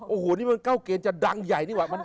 โอ้โหนี่มันเข้าเกณฑ์จะดังใหญ่นี่ว่ะ